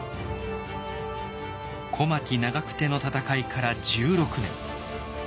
小牧・長久手の戦いから１６年。